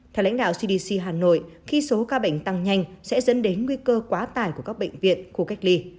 theo lãnh đạo cdc hà nội khi số ca bệnh tăng nhanh sẽ dẫn đến nguy cơ quá tải của các bệnh viện khu cách ly